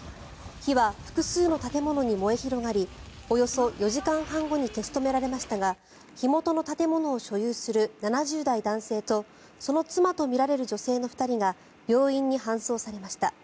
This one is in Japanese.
火は複数の建物に燃え広がりおよそ４時間半後に消し止められましたが火元の建物を所有する７０代男性とその妻とみられる女性の２人が病院に搬送されました。